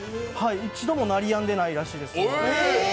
一度も鳴りやんでないらしいです。